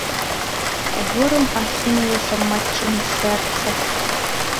Горам ахінулася матчына сэрца.